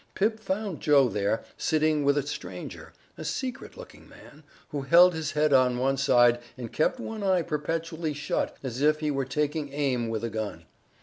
Pip found Joe there, sitting with a stranger a secret looking man, who held his head on one side and kept one eye perpetually shut as if he were taking aim with a gun.